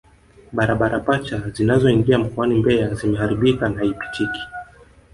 Barabara pacha zinazoingia mkoani Mbeya zimeharibika na haipitiki